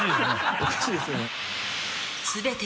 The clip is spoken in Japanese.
おかしいですよね。